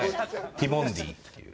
ティモンディっていう。